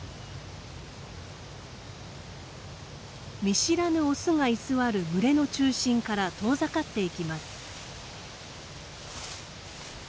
見知らぬオスが居座る群れの中心から遠ざかっていきます。